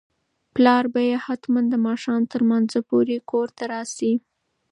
پلار به یې حتماً د ماښام تر لمانځه پورې کور ته راشي.